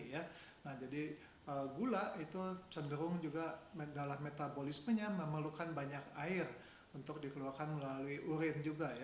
gula juga cenderung dalam metabolismenya memerlukan banyak air untuk dikeluarkan melalui urin